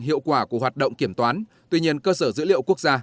hiệu quả của hoạt động kiểm toán tuy nhiên cơ sở dữ liệu quốc gia